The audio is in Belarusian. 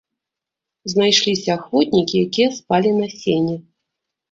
Знайшліся ахвотнікі, якія спалі на сене.